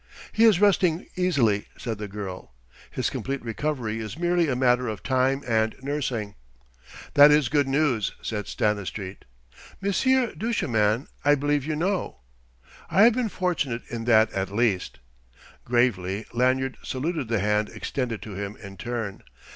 "He is resting easily," said the girl. "His complete recovery is merely a matter of time and nursing." "That is good news," said Stanistreet. "Monsieur Duchemin I believe you know." "I have been fortunate in that at least." Gravely Lanyard saluted the hand extended to him in turn.